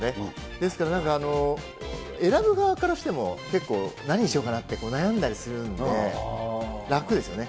ですから、なんか、選ぶ側からしても、結構、何にしようかなって悩んだりするんで、楽ですよね。